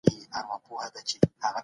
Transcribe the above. د د تقاطع قوي او یا مرکزي نقطه ول.